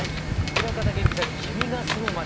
平方元基さん「君が住む街」。